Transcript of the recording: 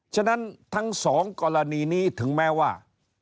ฉะนั้นทั้งสองกรณีนี้ถึงแม้ว่า